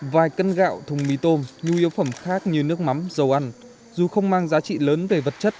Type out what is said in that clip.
vài cân gạo thùng mì tôm nhu yếu phẩm khác như nước mắm dầu ăn dù không mang giá trị lớn về vật chất